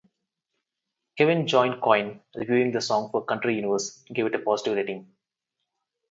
Kevin John Coyne, reviewing the song for Country Universe, gave it a positive rating.